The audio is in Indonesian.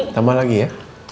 tambah lagi ya